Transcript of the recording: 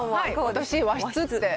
私、和室って。